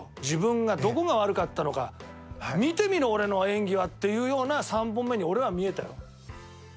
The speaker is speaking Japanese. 自分が、どこが悪かったのか見てみろ、俺の演技はっていうような３本目に俺は見えたよ。